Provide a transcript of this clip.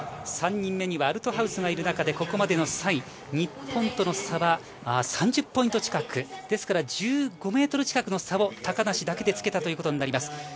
３人目にアルトハウスがいる中で、ここまでの３位、日本との差は３０ポイント近くですから、１５ｍ近くの差を高梨だけでつけたということになります。